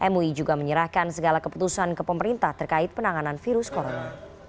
mui juga menyerahkan segala keputusan ke pemerintah terkait penanganan virus corona